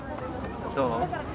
どう？